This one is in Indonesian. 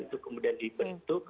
itu kemudian dibentuk